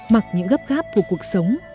mặc những gấp gáp của cuộc sống